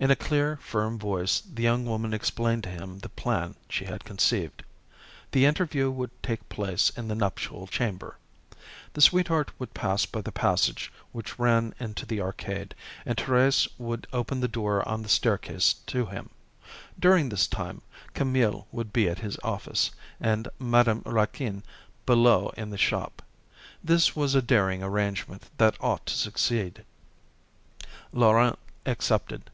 In a clear, firm voice the young woman explained to him the plan she had conceived. The interview would take place in the nuptial chamber. The sweetheart would pass by the passage which ran into the arcade, and Thérèse would open the door on the staircase to him. During this time, Camille would be at his office, and Madame Raquin below, in the shop. This was a daring arrangement that ought to succeed. Laurent accepted.